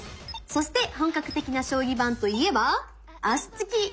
そして本格的な将棋盤といえば脚つき！